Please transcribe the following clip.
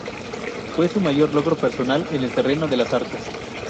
Fue su mayor logro personal en el terreno de las artes.